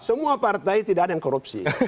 semua partai tidak ada yang korupsi